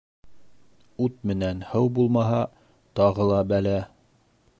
Ут менән һыу булмаһа, тағы ла бәлә.